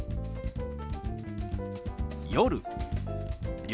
「夜」。